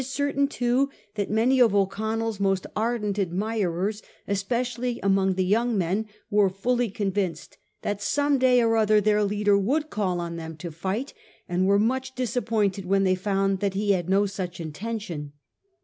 certain, too, that many of O'Connell's most ardent admirers, especially among the young men, were fully convinced that some day or other their leader would call on them to fight, and were much disappointed when they found that he had no such intention.